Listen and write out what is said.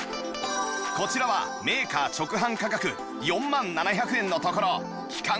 こちらはメーカー直販価格４万７００円のところ期間